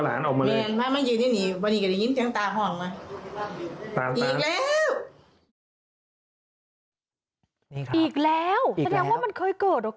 แสดงว่ามันเคยเกิด